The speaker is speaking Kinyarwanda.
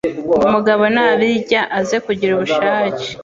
ngo umugabo nabirya aze kugira ubushake